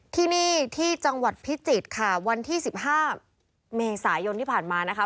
ที่นี่ที่จังหวัดพิจิตรค่ะวันที่๑๕เมษายนที่ผ่านมานะคะ